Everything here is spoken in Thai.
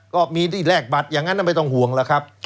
ก็มีที่แรกบัตร